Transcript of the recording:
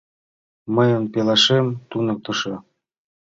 — Мыйын пелашем туныктышо.